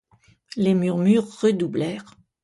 Les murmures redoublèrent.